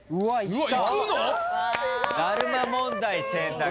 うわ！